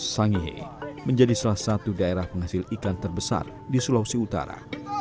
sangihe menjadi salah satu daerah penghasil ikan terbesar di sulawesi utara